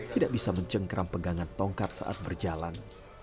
tidak bisa mencengkram pegangan tongkat saat berjalan